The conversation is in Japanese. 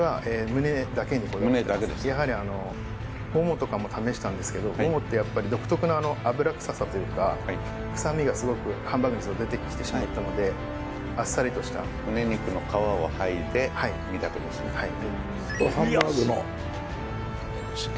胸だけですねももとかも試したんですけどももってやっぱり独特な脂臭さというか臭みがすごくハンバーグにすると出てきてしまったのであっさりとしたはいはい０．５？